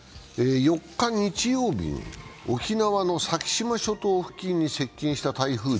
４日、日曜日に、沖縄の先島諸島付近に接近した台風１１号、